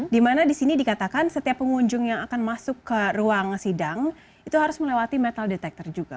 dimana di sini dikatakan setiap pengunjung yang akan masuk ke ruang sidang itu harus melewati metal detector juga